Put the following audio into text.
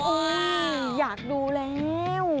โอ๊ยอยากดูแล้ว